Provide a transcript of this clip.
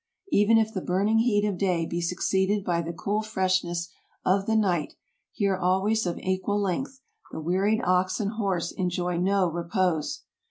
Even if the burning heat of day be suceeded by the cool freshness of the night, here always of equal length, the wearied ox and horse enjoy no repose.